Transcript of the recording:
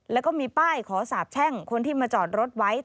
แล้วก็มีป้ายขอสาบแช่งคนที่มาจอดรถไว้